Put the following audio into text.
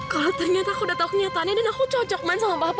kalau ternyata aku udah tahu kenyataannya dan aku cocok main sama bapak